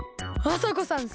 あさこさん